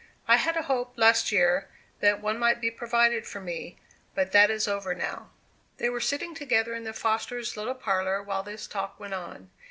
"I had a hope, last year, that one might be provided for me; but that is over now." They were sitting together in the Fosters' little parlour while this talk went on.